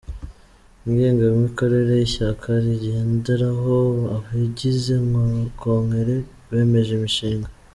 ngengamikorere Ishyaka rigenderaho, abagize Kongre bemeje imishinga